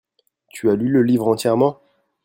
Tu as lu le livre entièrement ?